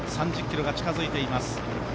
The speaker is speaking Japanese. ３０ｋｍが近づいています。